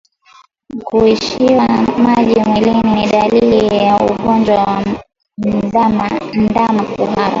Kuishiwa maji mwilini ni dalili ya ugonjwa wa ndama kuhara